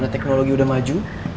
teknologi udah maju